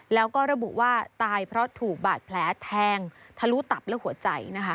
แล้วก็ระบุว่าตายเพราะถูกบาดแผลแทงทะลุตับและหัวใจนะคะ